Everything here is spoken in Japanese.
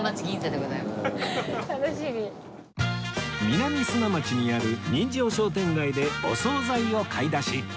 南砂町にある人情商店街でお総菜を買い出し